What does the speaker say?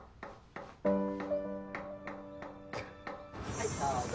はいどうぞ。